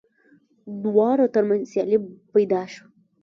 د دواړو تر منځ سیالي پیدا شوه